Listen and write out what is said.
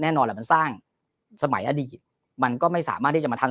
แน่นอนแหละมันสร้างสมัยอดีตมันก็ไม่สามารถที่จะมาทำ